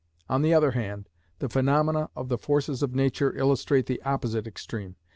On the other hand, the phenomena of the forces of nature illustrate the opposite extreme.